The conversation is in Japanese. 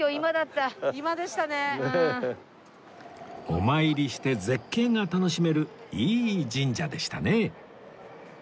お参りして絶景が楽しめるいい神社でしたね